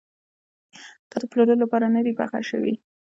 دا د پلورلو لپاره نه ده پخه شوې.